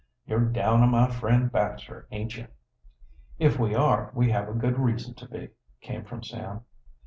"You're down on my friend Baxter, aint you?" "If we are, we have a good reason to be," came from Sam.